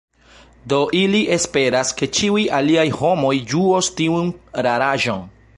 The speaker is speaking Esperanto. Do ili esperas, ke ĉiuj aliaj homoj ĝuos tiun raraĵon.